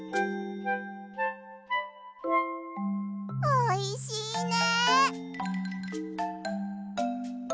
おいしいね。